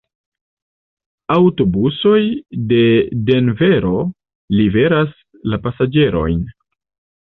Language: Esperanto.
Aŭtobusoj de Denvero liveras la pasaĝerojn.